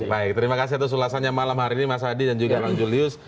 baik terima kasih atas ulasannya malam hari ini mas adi dan juga bang julius